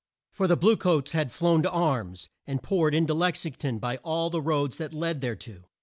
For the blue coats had flown to arms, and poured in to Lex ing ton by all the roads that led led there to.